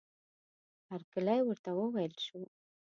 هرکلی ورته وویل شو.